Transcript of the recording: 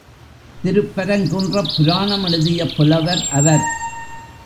திருப்பரங்குன்றப் புராணம் எழுதிய புலவர் அவர்.